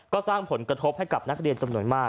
ก็สร้างผลกระทบให้กับนักเรียนจำนวนมาก